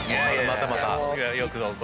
またまた。